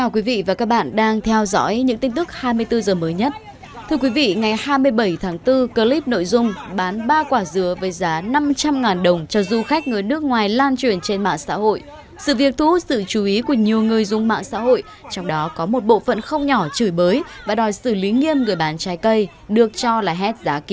các bạn hãy đăng ký kênh để ủng hộ kênh của chúng mình nhé